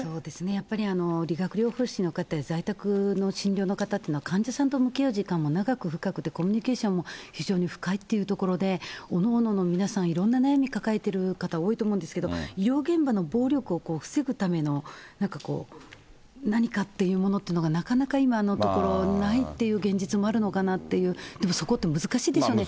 やっぱり理学療法士の方、在宅の診療の方で、患者さんと向き合う時間も長く深くて、コミュニケーションも非常に深いというところで、おのおのの皆さん、いろんな悩み抱えてる方、多いと思うんですけど、医療現場の暴力を防ぐための、なんかこう、何かっていうものっていうのが、なかなか今のところないっていう現実もあるのかなっていう、でもそこって難しいでしょうね。